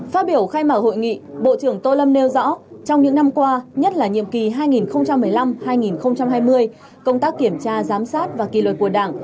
phát biểu khai mạc hội nghị bộ trưởng tô lâm nêu rõ trong những năm qua nhất là nhiệm kỳ hai nghìn một mươi năm hai nghìn hai mươi công tác kiểm tra giám sát và kỳ luật của đảng